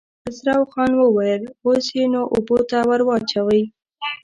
خسرو خان وويل: اوس يې نو اوبو ته ور واچوئ.